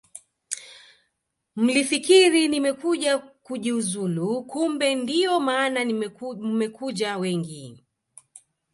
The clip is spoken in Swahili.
Mlifikiri nimekuja kujiuzulu kumbe ndiyo maana mmekuja wengi